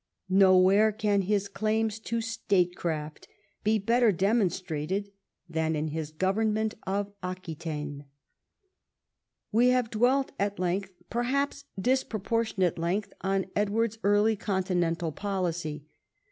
Nowhere can his claims to statecraft be better demonstrated than in his government of Aqiii taine. "We have dwelt at perhaps disproportionate length on Edward's early continental policy.